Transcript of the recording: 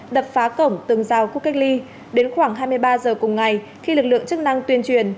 đập phá cổng tường rào khu cách ly đến khoảng hai mươi ba h cùng ngày khi lực lượng chức năng tuyên truyền